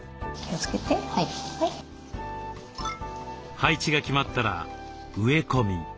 配置が決まったら植え込み。